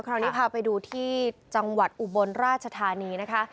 คราวนี้พาไปดูที่จังหวัดอุบลราชธานีนะคะ